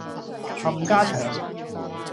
冚家祥